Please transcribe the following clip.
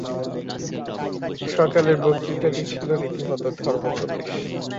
সকালের বক্তৃতাটি ছিল রীতিমত ধর্মোপদেশ।